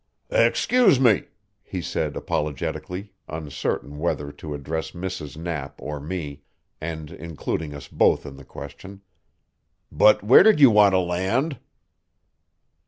"Excuse me," he said apologetically, uncertain whether to address Mrs. Knapp or me, and including us both in the question, "but where did you want to land?"